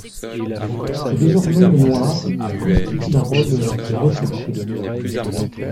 C'est désormais le noir qui constitue la robe la plus recherchéee.